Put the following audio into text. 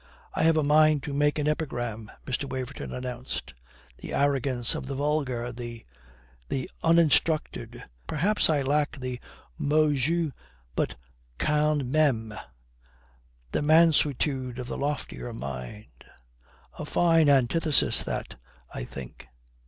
"I have a mind to make an epigram," Mr. Waverton announced. "The arrogance of the vulgar, the the uninstructed perhaps I lack the mot juste, but quand même the mansuetude of the loftier mind. A fine antithesis that, I think."